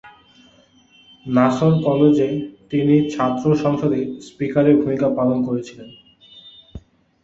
নাসর কলেজে তিনি ছাত্র সংসদে স্পিকারের ভূমিকা পালন করেছেন।